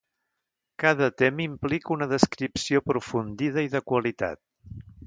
Cada tema implica una descripció aprofundida i de qualitat.